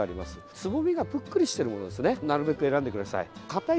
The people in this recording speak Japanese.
つぼみがぷっくりしているものをなるべく選んでください。